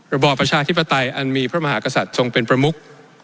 บอบประชาธิปไตยอันมีพระมหากษัตริย์ทรงเป็นประมุก